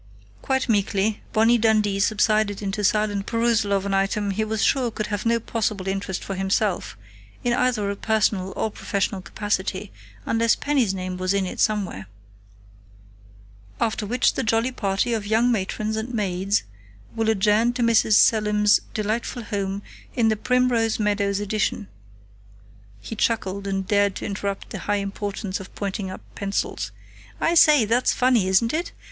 Quite meekly, Bonnie Dundee subsided into silent perusal of an item he was sure could have no possible interest for himself, in either a personal or professional capacity, unless Penny's name was in it somewhere: " after which the jolly party of young matrons and maids will adjourn to Mrs. Selim's delightful home in the Primrose Meadows Addition." He chuckled, and dared to interrupt the high importance of pointing up pencils. "I say, that's funny, isn't it?...